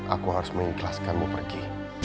aku harus mengikhlaskanmu pergi